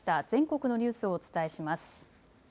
全国のニュースをお伝えします。